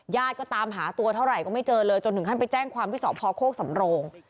ก็ตามหาตัวเท่าไหร่ก็ไม่เจอเลยจนถึงขั้นไปแจ้งความที่สอบพอโคกสำโรง